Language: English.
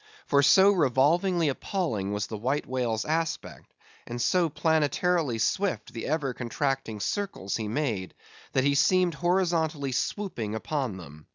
For so revolvingly appalling was the White Whale's aspect, and so planetarily swift the ever contracting circles he made, that he seemed horizontally swooping upon them.